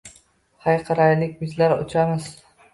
Hayqiraylik: Bizlar uchamiz!